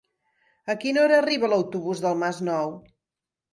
A quina hora arriba l'autobús del Masnou?